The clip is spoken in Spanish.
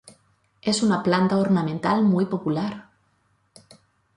Es una planta ornamental muy popular.